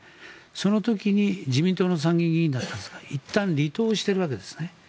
その時に自民党の参議院だったがいったん離党しているわけですね。